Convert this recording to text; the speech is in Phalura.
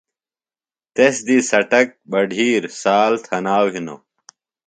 تس دی څٹک، بڈِھیر، سال، تھناؤ ہِنوۡ۔